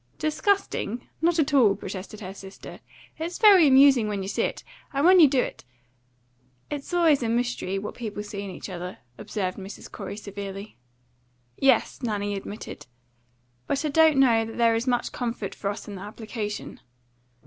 "Disgusting? Not at all!" protested her sister. "It's very amusing when you see it, and when you do it " "It's always a mystery what people see in each other," observed Mrs. Corey severely. "Yes," Nanny admitted, "but I don't know that there is much comfort for us in the application."